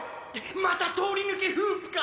またとおりぬけフープか？